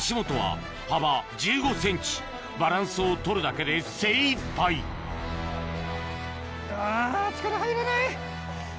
バランスを取るだけで精いっぱいあぁ力入らない。